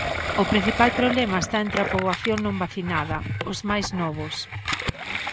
O principal problema está entre a poboación non vacinada, os máis novos.